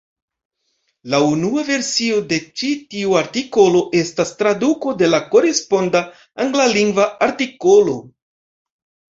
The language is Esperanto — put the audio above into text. La unua versio de ĉi tiu artikolo estas traduko de la koresponda Anglalingva artikolo.